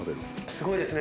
すごいですね。